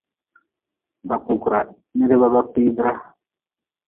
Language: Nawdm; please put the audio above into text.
Ba kugra nidba ba kpiidra.